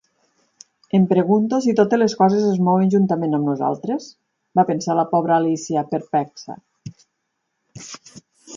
"Em pregunto si totes les coses es mouen juntament amb nosaltres?", va pensar la pobra Alícia, perplexa.